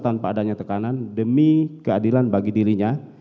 tanpa adanya tekanan demi keadilan bagi dirinya